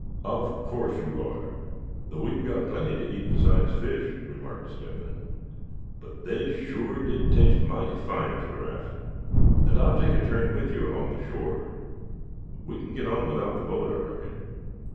"Of course you are; though we've got plenty to eat besides fish," remarked Step hen; "but they sure did taste mighty fine, Giraffe; and I'll take a turn with you along the shore. We can get on without the boat, I reckon."